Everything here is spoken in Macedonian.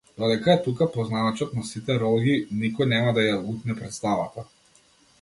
Додека е тука познавачот на сите ролји, никој нема да ја утне претставата!